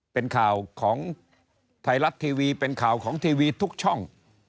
เป็นข่าวของไทยรัฐทีวีเป็นข่าวของทีวีทุกช่อง